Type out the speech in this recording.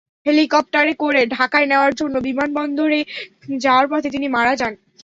হেলিকপ্টারে করে ঢাকায় নেওয়ার জন্য বিমানবন্দরে যাওয়ার পথে তিনি মারা যান।